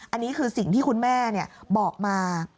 อันนี้คือสิ่งที่คุณแม่บอกมา